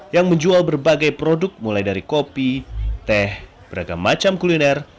yang menjual berbagai produk mulai dari kopi teh beragam macam kuliner